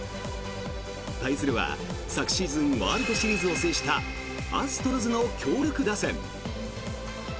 対するは昨シーズンワールドシリーズを制したアストロズの強力打線。